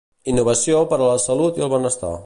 Innovació per a la salut i el benestar.